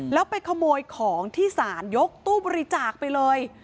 แล้วไปขโมยของที่ศาลยกตู้บริจาคไปเลย